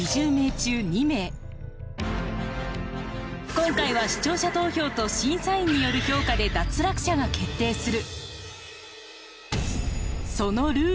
今回は視聴者投票と審査員による評価で脱落者が決定する。